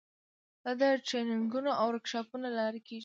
دا د ټریننګونو او ورکشاپونو له لارې کیږي.